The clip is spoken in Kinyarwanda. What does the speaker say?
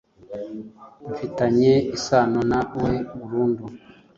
Mfitanye isano na we burundu